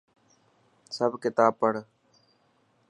سب ڪتاب پڙهه.